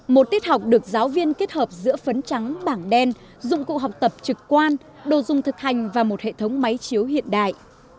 một tiết học được giáo viên kết hợp giữa phấn trắng bảng đen dụng cụ học tập trực quan đồ dùng thực hành và một hệ thống máy chiếu hiện đại